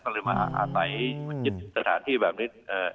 ก็เลยมาเอาไว้มาจิตสถานที่แบบนี้